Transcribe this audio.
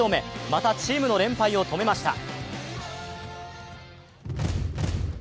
またチームの連敗を止めました。